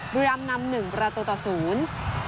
บริรัมย์นำ๑ประตูต่อศูนย์